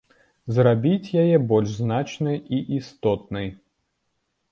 Зрабіць яе больш значнай і істотнай.